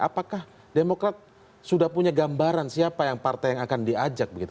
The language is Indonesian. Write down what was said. apakah demokrat sudah punya gambaran siapa yang partai yang akan diajak begitu